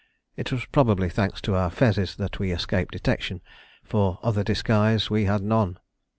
It was probably thanks to our fezes that we escaped detection, for other disguise we had none.